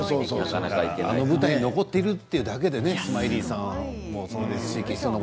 あの舞台残っているだけでスマイリーさん。